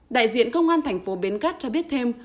đại diện công an thành phố bến cát cho biết thêm